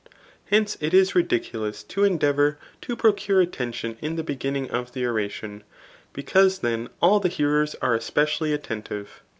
Hence it is ridiculous to endea* irour to procure attention in the beginning of the oratioa^ because then all the hearers are especially attentive.